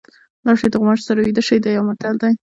لاړ شئ د غوماشي سره ویده شئ دا یو متل دی.